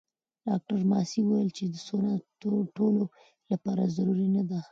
ډاکټره ماسي وویل چې سونا د ټولو لپاره ضروري نه ده.